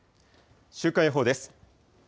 週間予報です。